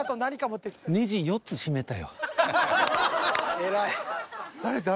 偉い。